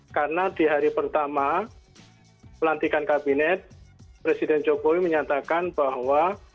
karena di hari pertama pelantikan kabinet presiden jokowi menyatakan bahwa